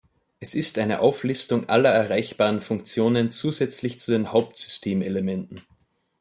Es ist eine Auflistung aller erreichbaren Funktionen zusätzlich zu den Haupt-Systemelementen.